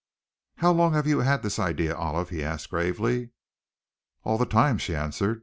"How long have you had this idea, Olive?" he asked gravely. "All the time," she answered.